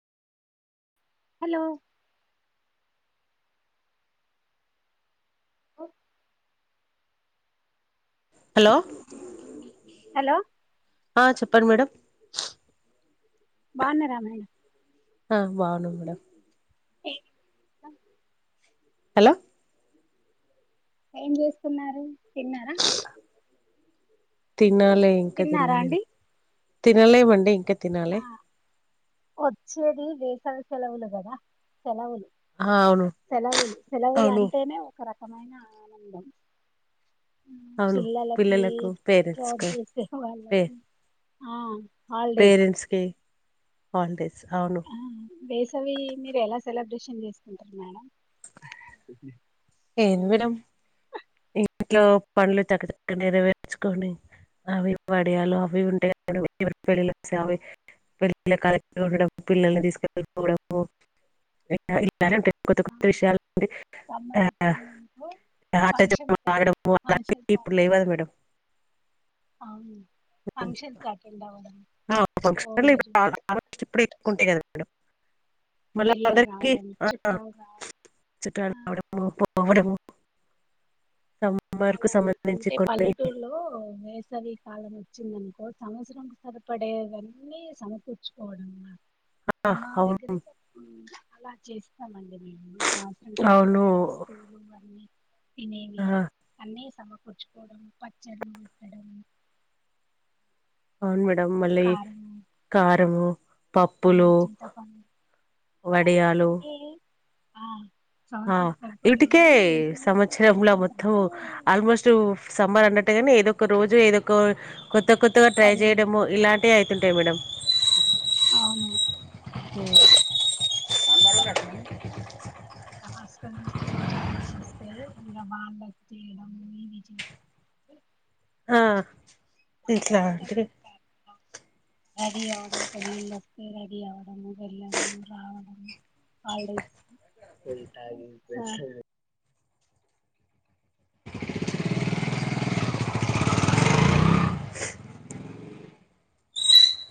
Hello hello hello ఆ చెప్పండ్ madam బాన్నార మేడం ఆ బావునం మేడం ఏ హలో ఏం చేసుకున్నారు తిన్నారా. తినాలి ఇంకా తిన్నారా తినలేదు. అండి తినలేంమండి ఇంక్ తినాలే ఒచ్చేది, వేసల్ సలవులు కదా సెలవులు, ఆ అవును సెలవులు, సెలవులు అవును అంటేనే ఒక రక వమైన ఆనందం అవును పిల్లలకి పిల్లలకు పేరెంట్స్ జాబ్ కు చేసే పే వాళ్ళకి ఆ హాలిడేస్ కె హాలిడేస్ అవును ఆ, వేసవి మీరు ఎలా సెలబ్రేషన్ చేసుకుంటున్నారా మేడం ఏంది మేడం ఇంట్లో పండ్లు చక్క చక్క నెరవేర్చుకొని అవి వడియాలు అవి ఉంటాయి పెళ్ళి అవి పెళ్ళి క ఉండ పిల్లల్ని తీసుకెళ్ళిపోవడము ఇలా ఉంటా కొత్త కొత్త విషయాలుడి సమ్మర్ ఆ వచ్చిందనుకో ఆట ఫంక్షన్స్ డడ అ ఫంక్షన్స్ ఇప్పుడు అటెండ్ లేవదు మేడం అవును ఫంక్షన్స్ అటెండ్ అవ్వ ఆ ఫంక్షన్ లేవన్న ఆడోచ్చు ఇప్పుడు ఎక్ంటే కదా మేడం మల్ల పిల్లలు వాళ్లకి రావడం ఆ చుట్టాలు రావడం చుట్టాలు ఆ, రావడము బోవడము దమ్ అన అంటే పల్లెటూరులో వేసవి కాలం వచ్చింద సంవత్సరంకు సరిపడేవన్నీ సమకూర్చుకోవడం ఆ, మా అవును దగ్గరతే అలా చేస్తామండి సంవత్సరానికి అవును సరిపడే వస్తులు అన్నీ ఆ, తినేవి సమ కుడిచుపోడం పచ్చలు ఉపడ అవును మేడం మళ్ళీ కారంము పప్పులు ఇలా వడియాలు ఏ ఆ ఆ సంవత్సరం ఇవిటికే సరిపడేవన్నీ వేసవిలోనే సంవత్సరమల మొత్త వేసుకుంటాము ఆల్మోస్ట్ సమ్మర్ అన్న టైం ఏదో ఒక రోజు ఏదో ఒక కొత్త కొత్తగా ట్రై పని చేయడము ఉంటది ఇలాంటివి అయితుంటాయి మేడం అవును మ నుంచి పిల్లలు వస్తే ఇలా వాళ చేయడం ఇవి చే ఆ ఇట్లా అంటే పెళ్ళ వస్తే రెడీ అవడము వెళ్లడము రావడము హాలిడేస్